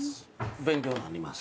勉強になります。